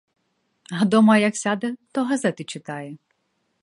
А дома як сяде, то газети читає.